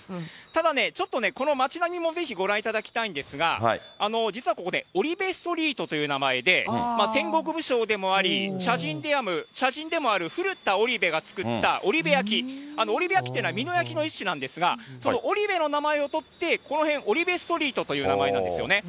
ただね、ちょっとね、この街並みもぜひご覧いただきたいんですが、実はここね、オリベストリートという名前で、戦国武将でもあり、茶人でもある、ふるたおりべが作った織部焼。織部焼っていうのは美濃焼の一種なんですが、その織部の名前を取って、この辺、オリベストリートという名前なんですよね。